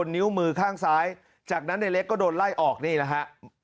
นิ้วมือข้างซ้ายจากนั้นในเล็กก็โดนไล่ออกนี่แหละฮะ